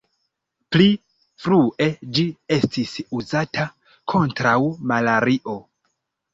Pli frue ĝi estis uzata kontraŭ malario.